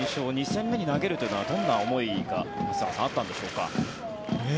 ２戦目に投げるというのはどんな思いが松坂さん、あったんでしょうか。